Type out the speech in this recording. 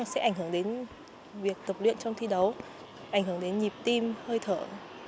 sẽ ảnh hưởng đến việc tập luyện trong thi đấu ảnh hưởng đến nhịp tim hơi thở